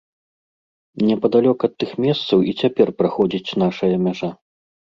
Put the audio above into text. Непадалёк ад тых месцаў і цяпер праходзіць нашая мяжа.